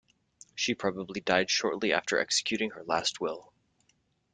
She probably died shortly after executing her last will.